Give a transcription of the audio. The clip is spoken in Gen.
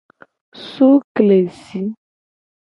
Sukesi.